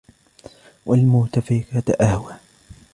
وَالْمُؤْتَفِكَةَ أَهْوَى